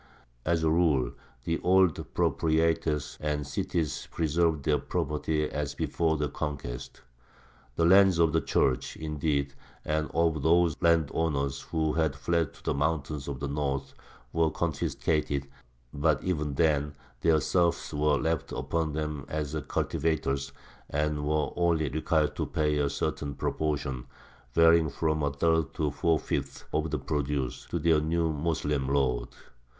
As a rule the old proprietors and cities preserved their property as before the conquest. The lands of the Church, indeed, and of those landowners who had fled to the mountains of the north, were confiscated, but even then their serfs were left upon them as cultivators, and were only required to pay a certain proportion, varying from a third to four fifths, of the produce, to their new Moslem lords.